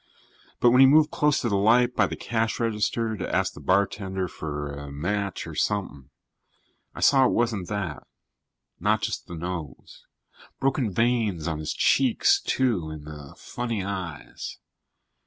But when he moved closer to the light by the cash register to ask the bartender for a match or something, I saw it wasn't that. Not just the nose. Broken veins on his cheeks, too, and the funny eyes.